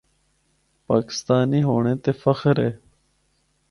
پاکستانی ہونڑے تے فخر اے۔